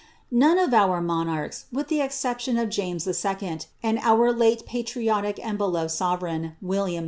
* None of our monarchs, with the exception of James II., and oorlile patriotic and beloved sovereign, William IV.